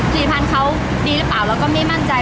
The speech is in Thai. ผลิตภัณฑ์เขาดีหรือเปล่าเราก็ไม่มั่นใจ